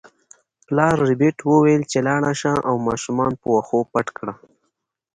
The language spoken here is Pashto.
پلار ربیټ وویل چې لاړه شه او ماشومان په واښو پټ کړه